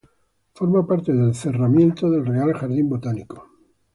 Forma parte del cerramiento del Real Jardín Botánico.